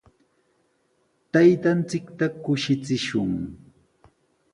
Taytanchikta kushichishun.